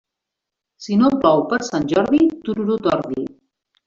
Si no plou per Sant Jordi, tururut ordi.